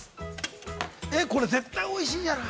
◆これ、絶対おいしいじゃない。